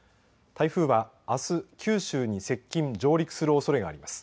台風は、あす九州に接近上陸するおそれがあります。